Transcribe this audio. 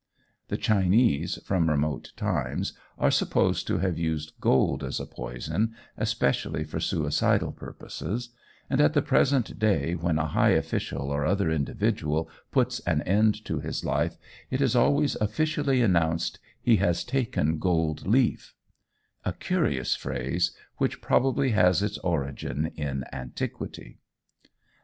The Chinese, from remote times, are supposed to have used gold as a poison, especially for suicidal purposes, and at the present day, when a high official or other individual puts an end to his life, it is always officially announced, "He has taken gold leaf"; a curious phrase, which probably has its origin in antiquity.